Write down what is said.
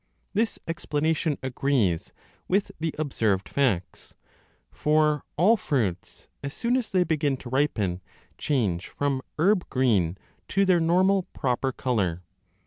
This explanation agrees with the observed facts ; for all 3 fruits, as soon as they begin to ripen, change from herb green to their normal proper colour.